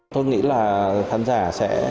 tôi nghĩ là khán giả sẽ